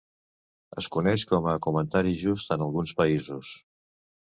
Es coneix com a comentari just en alguns països.